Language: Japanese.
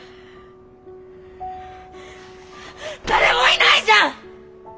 誰もいないじゃん！